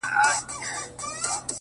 • دا زما د کوچنيوالي غزل دی ،،